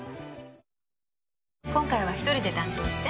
今回は１人で担当して？